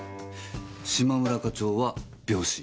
嶋村課長は病死。